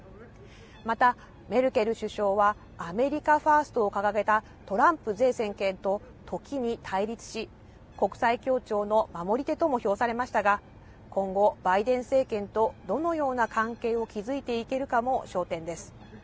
また、メルケル首相はアメリカファーストを掲げたトランプ前政権と、ときに対立し、国際協調の守り手とも評されましたが、今後、バイデン政権とどのような関係を築いていけるかも焦点です。